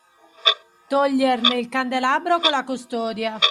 Toglierne il candelabro con la custodia